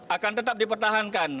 akan tetap dipertahankan